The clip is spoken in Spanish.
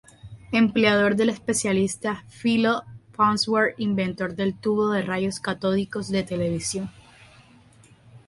Empleador del especialista Philo Farnsworth, inventor del tubo de rayos catódicos de televisión.